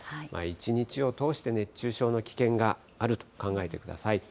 一日を通して熱中症の危険があると考えてください。